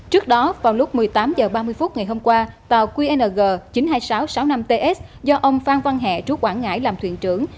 trước đó vào lúc một mươi tám h ba mươi phút ngày hôm qua tàu qng chín mươi hai nghìn sáu trăm sáu mươi năm ts do ông phan văn hẹ trú quảng ngãi làm thuyền trưởng